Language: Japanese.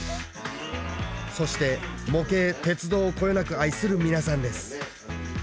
そして模型鉄道をこよなく愛する皆さんです